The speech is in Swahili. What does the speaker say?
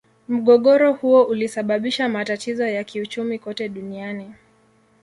Mgogoro huo ulisababisha matatizo ya kiuchumi kote duniani.